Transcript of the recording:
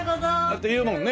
って言うもんね